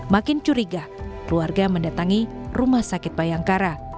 makin curiga keluarga mendatangi rumah sakit bayangkara